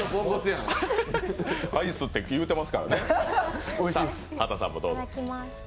アイスって言うてますからね。